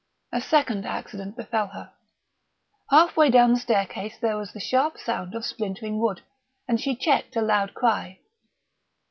A second accident befell her. Half way down the staircase there was the sharp sound of splintering wood, and she checked a loud cry.